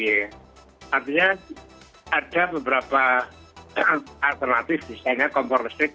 artinya ada beberapa alternatif misalnya kompor listrik